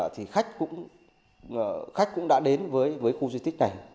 thì khách cũng đã đến với khu di tích này